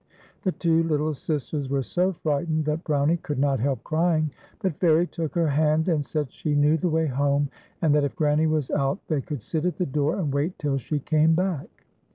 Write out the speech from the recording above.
The two little sisters were so frightened, that 13rownie could not help crying; but Fairie took her hand, and said she knew the way home, and that if Granny was out they could sit at the door and wait till she came back.